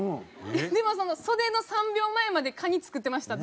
でも袖の３秒前までカニ作ってました